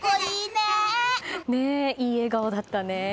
いい笑顔だったね。